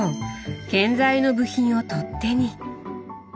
建材の部品を取っ手に。